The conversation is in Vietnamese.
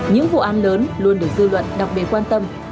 những vụ an lớn luôn được dư luận đặc biệt quan tâm